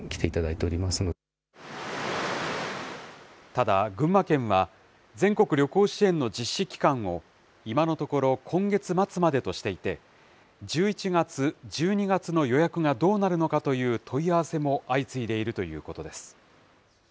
ただ、群馬県は全国旅行支援の実施期間を、今のところ、今月末までとしていて、１１月、１２月の予約がどうなるのかという問い合わせも相次いでいるということです。